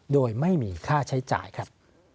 โดยไม่มีค่าใช้จ่ายครับ